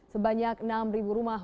sebanyak enam rumah